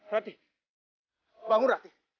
rati bangun rati